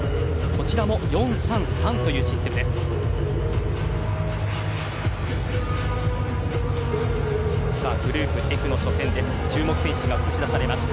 こちらも４−３−３というシステムです。